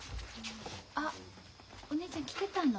あお姉ちゃん来てたの。